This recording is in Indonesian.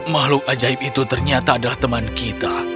makhluk ajaib itu ternyata adalah teman kita